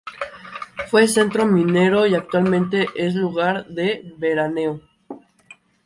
Fue centro minero y actualmente es lugar de veraneo.